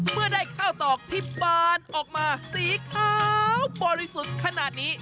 เมื่อได้ข้าวตอกที่บานออกมาสีขาวบริสุทธิ์ขนาดนี้